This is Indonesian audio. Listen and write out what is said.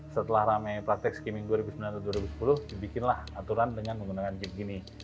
setelah ramai praktek skimming dua ribu sembilan atau dua ribu sepuluh dibikinlah aturan dengan menggunakan jeep gini